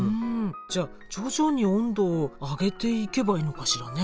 じゃあ徐々に温度を上げていけばいいのかしらね。